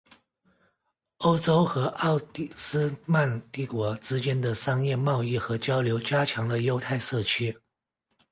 欧洲和奥斯曼帝国之间的商业贸易和交流加强了犹太社区。